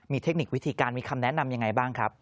มีเทคนิควิธีการมีคำแนะนำยังไงบ้างครับ